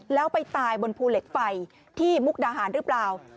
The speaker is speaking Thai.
แล้วไปตายบนภูเหล็กไฟที่มุกดาหารหรือเปล่า